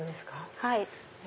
はい。